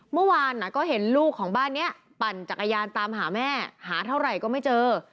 เมื่อวานก็เห็นลูกของบ้านนี้ปั่นจักรยานตามหาแม่หาเท่าไหร่ก็ไม่เจอ